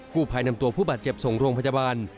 ผู้ภายนำตัวผู้บาดเจ็บส่งโรงพยาบาล